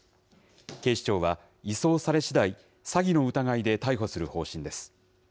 警視庁は移送されしだい、詐欺の疑いで逮捕する方針です。